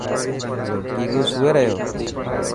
گيگو سوئي رهيو.